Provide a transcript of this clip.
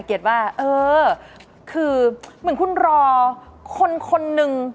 เก็ตว่าเออคือเหมือนคุณรอคนหนึ่ง